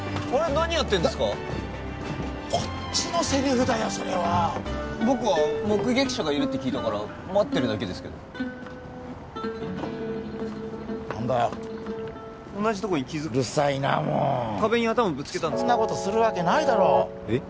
何やってんですかこっちのセリフだよそれはッ僕は目撃者がいるって聞いたから待ってるだけですけど何だよ同じとこに傷うるさいなもう壁に頭ぶつけたんですかそんなことするわけないだろえ？